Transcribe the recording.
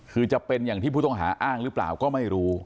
คือจะเป็นอย่างที่ผู้ต้องหาอ้างหรือเปล่าก็ไม่รู้